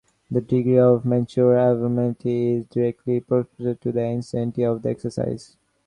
The degree of menstrual abnormality is directly proportional to the intensity of the exercise.